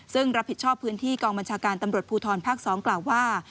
ซึ่งรับผิดชอบพื้นที่กองบัญชาการตำรวจภูทรภาค๒กล่าวว่า